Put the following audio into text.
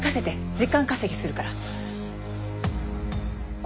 時間稼ぎするから。